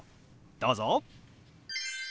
どうぞ。